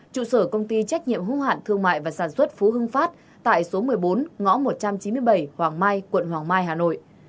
trụ sở công ty trách nhiệm hữu hạn thương mại và sản xuất phú hưng phát tại số một mươi bốn ngõ một trăm chín mươi bảy hoàng mai quận hoàng mai hà nội